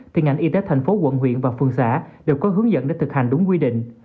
thì ngành y tế thành phố quận huyện và phường xã đều có hướng dẫn để thực hành đúng quy định